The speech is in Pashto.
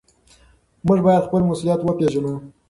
موږ بايد خپل مسؤليت وپېژنو.